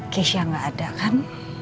keisha gak ada kan